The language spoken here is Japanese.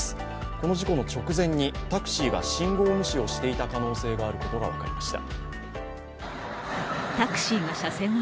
この事故の直前にタクシーが信号無視をしていた可能性があることが分かりました。